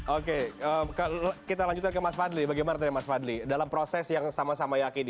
oke kalau kita lanjutkan ke mas fadli bagaimana terima fadli dalam proses yang sama sama yakin